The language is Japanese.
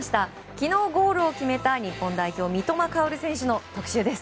昨日、ゴールを決めた日本代表の三笘薫選手の特集です。